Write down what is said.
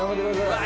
うわ。